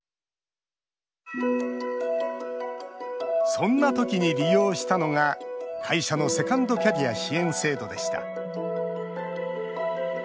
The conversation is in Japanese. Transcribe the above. そんな時に利用したのが会社のセカンドキャリア支援制度でした。